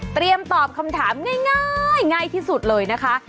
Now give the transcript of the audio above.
เตรียมตอบคำถามง่ายง่ายที่สุดเลยนะคะ